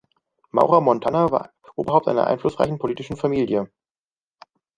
Maura Montaner war Oberhaupt einer einflussreichen politischen Familie.